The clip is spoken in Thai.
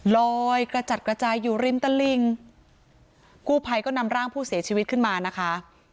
ลอยกระจัดกระจายอยู่ริมตะลิงกู้ภัยก็นำร่างผู้เสียชีวิตขึ้นมานะคะ